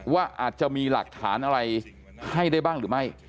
ว่าอาจจะมีหลักฐานอะไรให้ได้บ้างหรือไม่